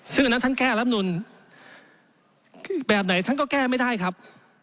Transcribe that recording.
ซึ่งอันนั้นท่านแก้รับนูลแบบไหนท่านก็แก้ไม่ได้ครับ